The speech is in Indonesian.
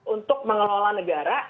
untuk mengelola negara